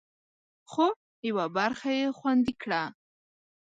خو، یوه برخه یې خوندي کړه